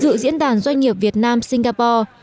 dự diễn đàn doanh nghiệp việt nam singapore